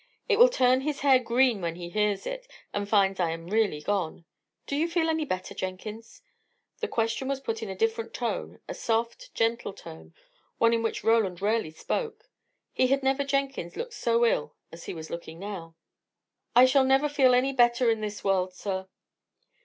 It will turn his hair green when he hears it, and finds I am really gone. Do you feel any better, Jenkins?" The question was put in a different tone; a soft, gentle tone one in which Roland rarely spoke. He had never seen Jenkins look so ill as he was looking now. "I shall never feel any better in this world, sir."